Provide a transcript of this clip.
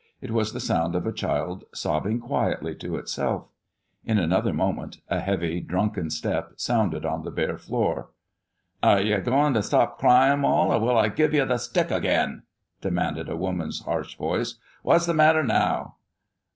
It was the sound of a child sobbing quietly to itself. In another moment a heavy, drunken step sounded on the bare floor. "Are ye goin' to stop cryin', Moll, or will I give ye the stick agin?" demanded a woman's harsh voice. "What's the matter now?"